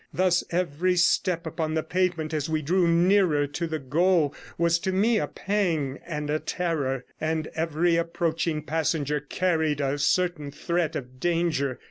Thus every step upon the pavement, as we drew nearer to the goal, was to me a pang and a terror, and every approaching passenger carried a certain threat of danger.